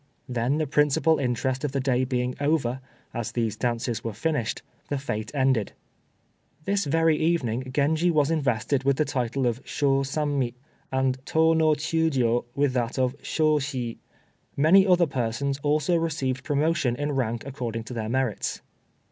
Then, the principal interest of the day being over, as these dances were finished, the fête ended. This very evening Genji was invested with the title of Shôsammi, and Tô no Chiûjiô with that of Shôshii. Many other persons also received promotion in rank according to their merits.